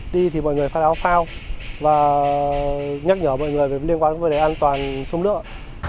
đi thì mọi người phát áo phao và nhắc nhở mọi người liên quan đến vấn đề an toàn số lượng